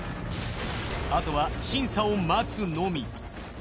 あとは審査を待つのみ。